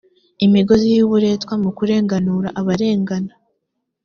imigozi y uburetwa mukarenganura abarengana